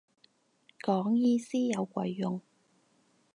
講意思有鬼用